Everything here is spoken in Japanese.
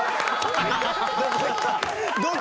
どこ？